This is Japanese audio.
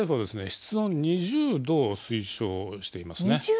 室温２０℃を推奨していますね。